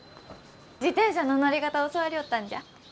自転車の乗り方教わりょうったんじゃ。